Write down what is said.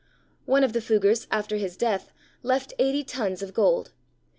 One of the Fuggars, after his death, left eighty tons of gold.